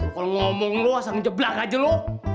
kalau ngomong lu asal ngejeblak aja lu